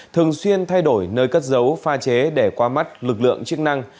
thường xuyên thay đổi nơi cất dấu pha chế để qua mắt lực lượng chức năng